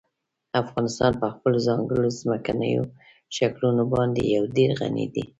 افغانستان په خپلو ځانګړو ځمکنیو شکلونو باندې یو ډېر غني دی.